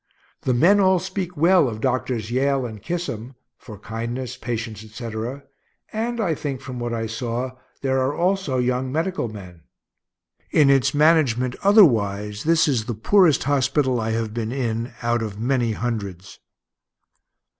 The men all speak well of Drs. Yale and Kissam for kindness, patience, etc., and I think, from what I saw, there are also young medical men. In its management otherwise, this is the poorest hospital I have been in, out of many hundreds.